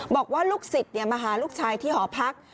บอกว่าลูกศิษย์มาหาลูกชายที่หอพัก